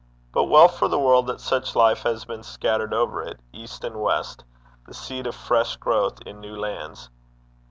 But well for the world that such life has been scattered over it, east and west, the seed of fresh growth in new lands.